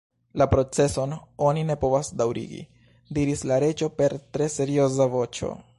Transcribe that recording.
"La proceson oni ne povas daŭrigi," diris la Reĝo per tre serioza voĉo.